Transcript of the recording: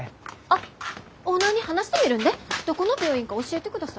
あっオーナーに話してみるんでどこの病院か教えてください。